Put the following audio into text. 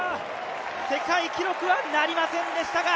世界記録はなりませんでしたが。